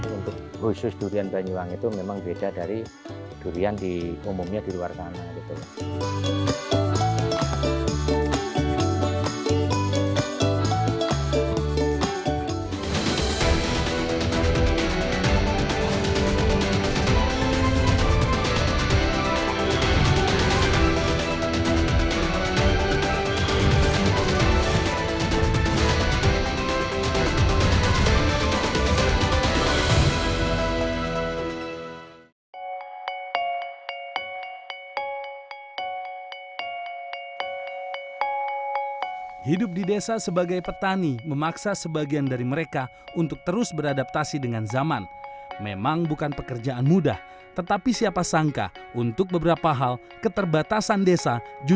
untuk khusus durian banyuwang itu memang berbeda dari durian umumnya di luar tanah